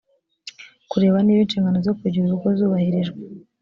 kureba niba inshingano zo kugira urugo zubahirijwe